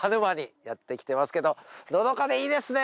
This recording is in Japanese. のどかでいいですね。